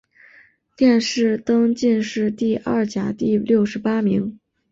殿试登进士第二甲第六十八名。